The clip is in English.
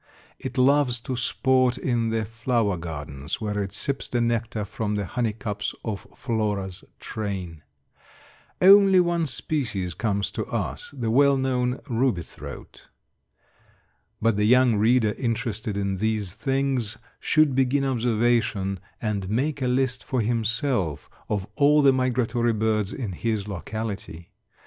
It loves to sport in the flower gardens, where it sips the nectar from the honeycups of Flora's train. Only one species comes to us, the well known ruby throat. But the young reader interested in these things should begin observation, and make a list for himself of all the migratory birds in his locality.